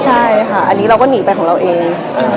ใช่ค่ะอันนี้เราก็หนีไปของเราเอง